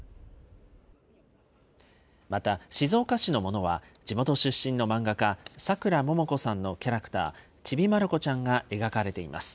また、静岡市のものは、地元出身の漫画家、さくらももこさんのキャラクター、ちびまる子ちゃんが描かれています。